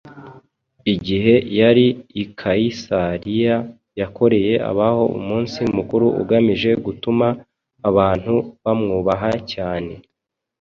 Igihe yari i Kayisariya yakoreye abaho umunsi mukuru ugamije gutuma abantu bamwubaha cyane